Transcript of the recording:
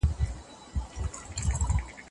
ښځه کولی شي خپل شخصي مال زیات کړي.